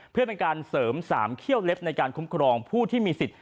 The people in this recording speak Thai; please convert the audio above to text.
เพื่อเป็นการเสริม๓เขี้ยวเล็บในการคุ้มครองผู้ที่มีสิทธิ์